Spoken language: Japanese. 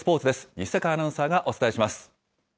西阪アナウンサーがお伝えします。